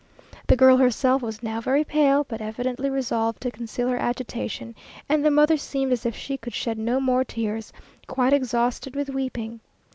The girl herself was now very pale, but evidently resolved to conceal her agitation, and the mother seemed as if she could shed no more tears quite exhausted with weeping.